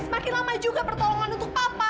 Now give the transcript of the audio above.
semakin lama juga pertolongan untuk papa